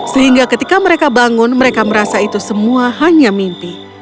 sehingga ketika mereka bangun mereka merasa itu semua hanya mimpi